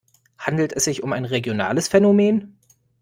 Handelt es sich um ein regionales Phänomen?